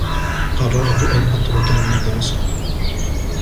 قررت أن أترك المدرسة.